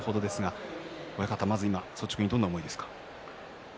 率直に、どんな思いですか？